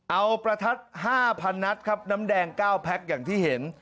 เอาประทัด๕๐๐นัดครับน้ำแดง๙แพ็คอย่างที่เห็น